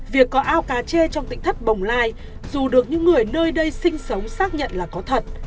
việc có ao cá chê trong tỉnh thất bồng lai dù được những người nơi đây sinh sống xác nhận là có thật